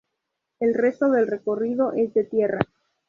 El resto del recorrido es de tierra.